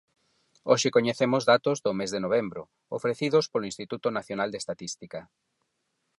Hoxe coñecemos datos do mes de novembro, ofrecidos polo Instituto Nacional de Estatística.